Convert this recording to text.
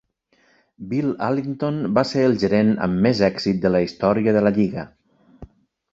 Bill Allington va ser el gerent amb més èxit de la història de la lliga.